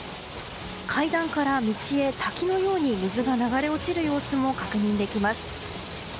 階段から道へ滝のように水が流れ落ちる様子も確認できます。